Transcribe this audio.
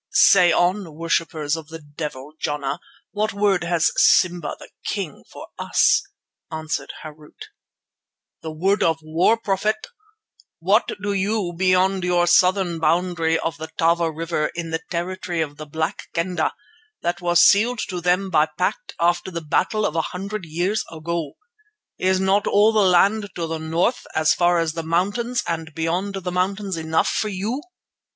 "Say on, worshippers of the devil Jana. What word has Simba the King for us?" answered Harût. "The word of war, Prophet. What do you beyond your southern boundary of the Tava river in the territory of the Black Kendah, that was sealed to them by pact after the battle of a hundred years ago? Is not all the land to the north as far as the mountains and beyond the mountains enough for you?